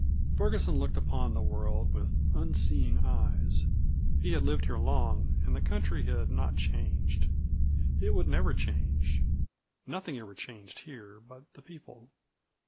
Ferguson looked upon the world with unseeing eyes. He had lived here long and the country had not changed. It would never change. Nothing ever changed here but the people.